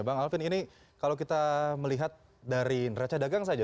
bang alvin ini kalau kita melihat dari neraca dagang saja